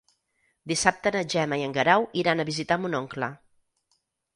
Dissabte na Gemma i en Guerau iran a visitar mon oncle.